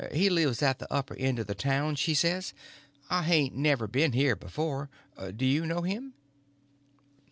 He lives at the upper end of the town, she says. I hain't ever been here before. Do you know him?"